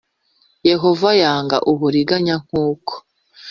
Yehova yanga uburiganya nk uko